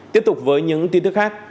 tiếp tục với những tin tức khác